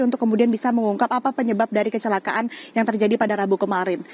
untuk kemudian bisa mengungkap apa penyebab dari kecelakaan yang terjadi pada rabu kemarin